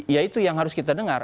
ya itu yang harus kita dengar